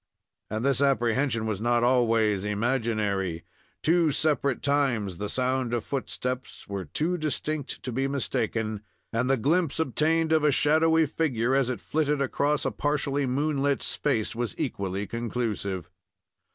And this apprehension was not always imaginary. Two separate times the sound of footsteps were too distinct to be mistaken, and the glimpse obtained of a shadowy figure, as it flitted across a partially moonlit space, was equally conclusive.